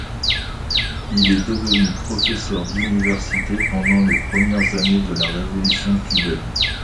Il est devenu professeur d'université pendant les premières années de la révolution cubaine.